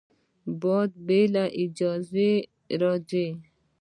باد بې له اجازې راځي